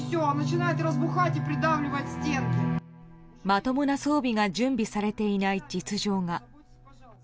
まともな装備が準備されていない実情が。